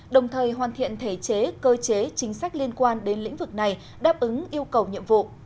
đồng thời hoàn thiện thể chế cơ chế chính sách liên quan đến lĩnh vực này đáp ứng yêu cầu nhiệm vụ